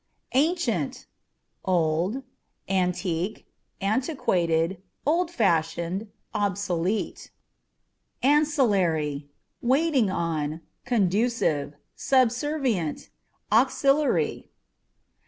Ancient â€" old, antique, antiquated, old fashioned, obsolete. Ancillary â€" waiting on, conducive, subservient, auxiliary.